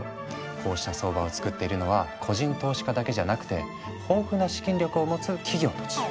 こうした相場をつくっているのは個人投資家だけじゃなくて豊富な資金力を持つ企業たち。